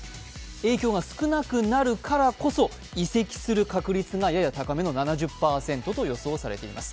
影響が少なくなるからこそ移籍する確率がやや高めの７０％と予想されています。